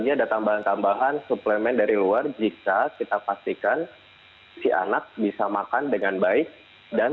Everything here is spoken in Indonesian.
ada tambahan tambahan suplemen dari luar jika kita pastikan si anak bisa makan dengan baik dan